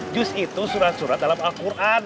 jus itu surat surat dalam al quran